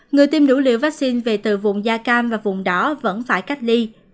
người tiêm đủ liều vaccine về từ vùng da cam và vùng đỏ vẫn phải cách ly